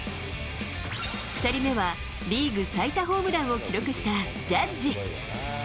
２人目は、リーグ最多ホームランを記録したジャッジ。